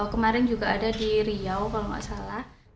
kemarin juga ada di riau kalau nggak salah